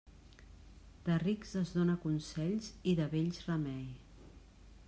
De rics es dóna consells i de vells remei.